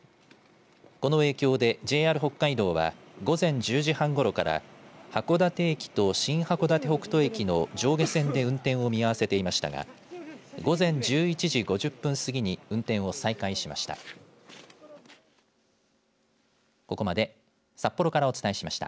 この影響で、ＪＲ北海道は午前１０時半ごろから函館駅と新函館北斗駅の上下線で運転を見合わせていましたが午前１１時５０分過ぎに運転を再開しました。